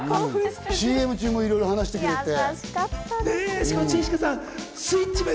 ＣＭ中もいろいろ話してくれて。